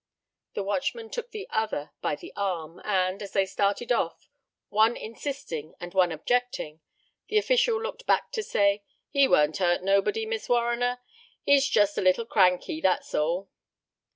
The watchman took the other by the arm, and, as they started off one insisting and one objecting the official looked back to say: "He won't hurt nobody, Miss Warriner he's just a little cranky, that's all."